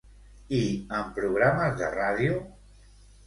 I en programes de ràdio?